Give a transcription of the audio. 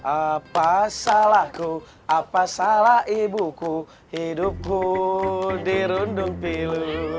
apa salahku apa salah ibuku hidupku dirundung pilu